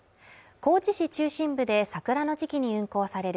高知市中心部で桜の時期に運航される